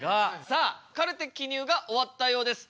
さあカルテ記入が終わったようです。